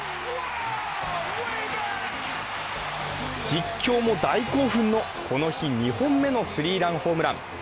実況も大興奮の、この日２本目のスリーランホームラン。